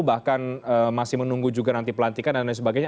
bahkan masih menunggu juga nanti pelantikan dan lain sebagainya